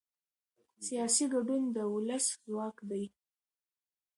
سیاسي ګډون د ولس ځواک دی